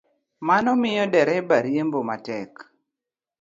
Mano miyo dereba riembo matek